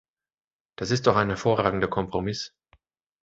Das ist doch ein hervorragender Kompromiss.